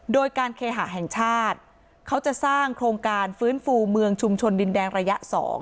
โดยการเคหะแห่งชาติเขาจะสร้างโครงการฟื้นฟูเมืองชุมชนดินแดงระยะ๒